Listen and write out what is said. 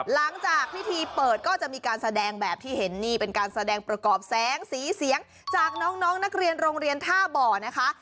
หลังจากพิธีเปิดก็จะมีการแสดงแบบที่เห็นนี่เป็นการแสดงประกอบแสงสีเสียงจากน้องนักเรียนโรงเรียนท่าบ่อนะคะ